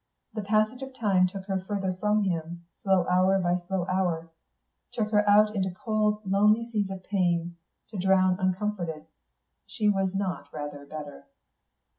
The passage of time took her further from him, slow hour by slow hour; took her out into cold, lonely seas of pain, to drown uncomforted. She was not rather better.